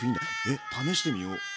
えっ試してみよ！